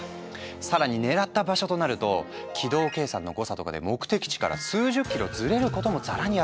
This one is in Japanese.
更に狙った場所となると軌道計算の誤差とかで目的地から数十キロずれることもざらにあるんだ。